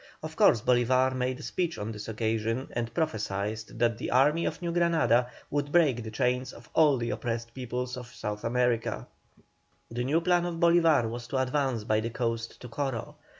Of course Bolívar made a speech on this occasion, and prophesied that the Army of New Granada would break the chains of all the oppressed peoples of South America. The new plan of Bolívar was to advance by the coast to Coro.